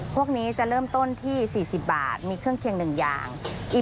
พวกนี้จะเริ่มต้นที่๔๐บาทมีเครื่องเคียง๑อย่าง